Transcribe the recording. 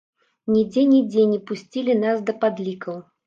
Нідзе, нідзе не пусцілі нас да падлікаў.